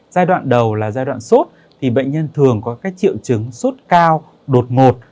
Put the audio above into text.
giai đoạn đầu là giai đoạn xuất bệnh nhân thường có triệu chứng xuất cao đột ngột